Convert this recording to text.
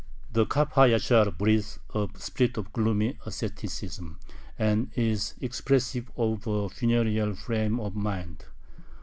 The Kab ha Yashar breathes a spirit of gloomy asceticism, and is expressive of a funereal frame of mind.